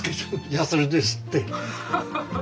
やすりですって。